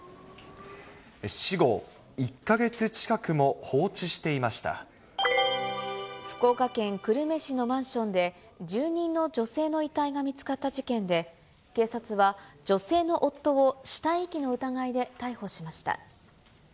死後１か月近くも放置してい福岡県久留米市のマンションで、住人の女性の遺体が見つかった事件で、警察は女性の夫を死体遺棄の疑いで逮捕しました。